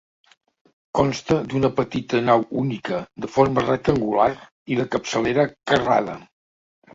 Consta d'una petita nau única de forma rectangular i de capçalera carrada.